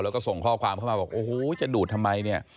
แล้วก็ส่งข้อความเข้ามาบอกโอ้โหจะดูดทำไมเนี่ย